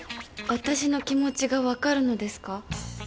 私の気持ちがわかるのですか？